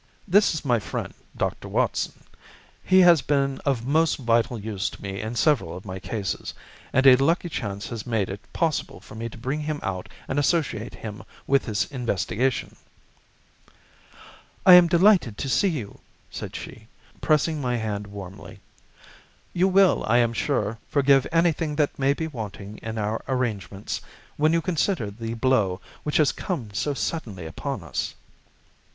"This is my friend, Dr. Watson. He has been of most vital use to me in several of my cases, and a lucky chance has made it possible for me to bring him out and associate him with this investigation." "I am delighted to see you," said she, pressing my hand warmly. "You will, I am sure, forgive anything that may be wanting in our arrangements, when you consider the blow which has come so suddenly upon us."